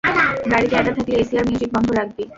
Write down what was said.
গাড়িতে একা থাকলে এসি আর মিউজিক বন্ধ রাখবি।